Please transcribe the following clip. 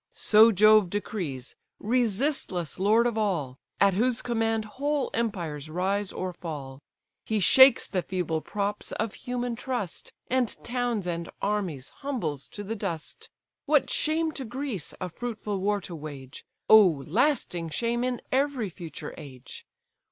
So Jove decrees, resistless lord of all! At whose command whole empires rise or fall: He shakes the feeble props of human trust, And towns and armies humbles to the dust. What shame to Greece a fruitful war to wage, Oh, lasting shame in every future age!